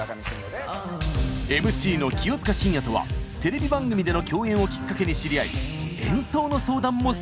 ＭＣの清塚信也とはテレビ番組での共演をきっかけに知り合い